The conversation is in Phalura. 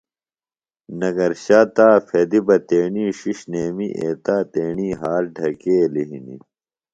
نگرشا تا پھیدیۡ بہ تیݨی ݜݜ نیمی ایتا تیݨی ہات ڈھکیلیۡ ہِنیۡ